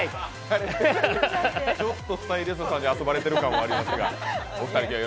ちょっとスタイリストさんに遊ばれてる感はありますが。